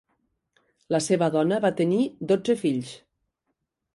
La seva dona va tenir dotze fills.